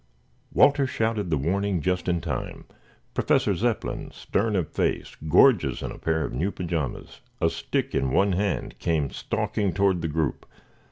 Walter shouted the warning just in time. Professor Zepplin, stern of face, gorgeous in a pair of new pajamas, a stick in one hand came stalking toward the group.